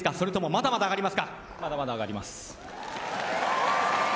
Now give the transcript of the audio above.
まだまだ上がります。